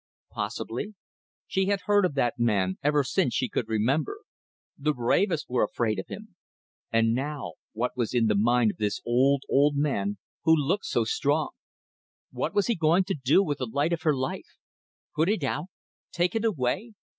Possibly. She had heard of that man ever since she could remember. The bravest were afraid of him! And now what was in the mind of this old, old man who looked so strong? What was he going to do with the light of her life? Put it out? Take it away?